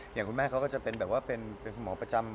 อย่างคุณแม่เขาก็จะเป็นแบบว่าเป็นคุณหมอประจำ